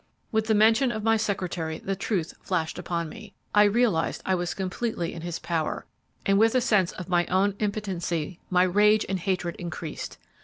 "With the mention of my secretary the truth flashed upon me. I realized I was completely in his power, and with a sense of my own impotency my rage and hatred increased.